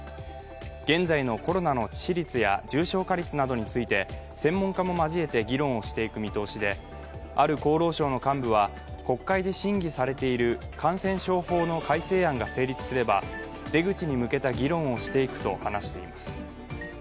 現在のコロナの致死率や重症化率などについて専門家も交えて議論していく見通しで、ある厚労省の幹部は、国会で審議されている感染症法の改正案が成立すれば出口に向けた議論をしていくと離しています。